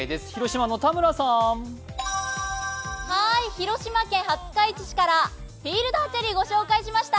広島県廿日市市からフィールドアーチェリーをご紹介しました。